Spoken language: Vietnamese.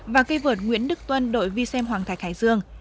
và te vượt nguyễn đức tuân đội vxm hoàng thạch hải dương